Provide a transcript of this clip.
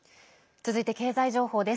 続いて経済情報です。